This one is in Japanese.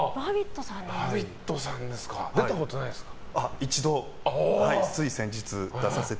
出たことないですか？